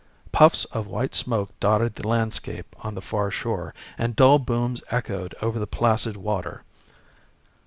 Puffs of white smoke dotted the landscape on the far shore, and dull booms echoed over the placid water.